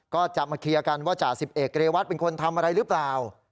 ก็จะมาเคลียร์กันว่าจ่าสิบเอกเรวัตเป็นคนทำอะไรหรือเปล่า